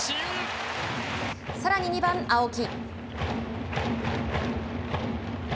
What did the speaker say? さらに２番青木。